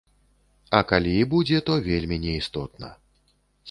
А калі і будзе, то вельмі не істотна.